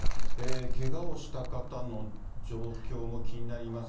けがをした方の状況も気になります。